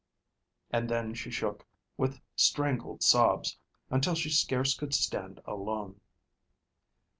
And then she shook with strangled sobs until she scarce could stand alone.